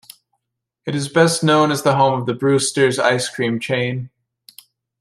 It is best known as the home of the Bruster's Ice Cream chain.